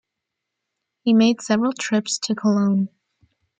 He made several trips to Cologne.